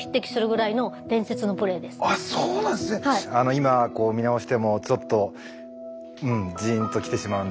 今見直してもちょっとジーンときてしまうんですけど